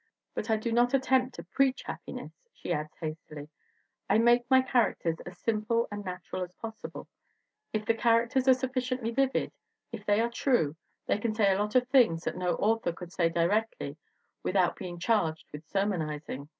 But I do not attempt to preach happiness,'* she adds hastily. "I make my characters as simple and natural as possible. If the characters are sufficiently vivid, if they are true, they can say a lot of things that no author could say directly without being charged with sermonizing."